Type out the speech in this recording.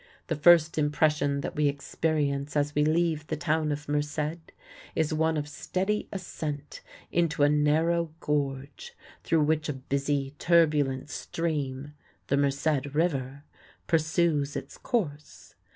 The first impression that we experience as we leave the town of Merced is one of steady ascent into a narrow gorge, through which a busy, turbulent stream the Merced River pursues its course.